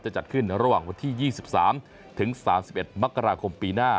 จัดขึ้นระหว่างวันที่๒๓ถึง๓๑มกราคมปีหน้า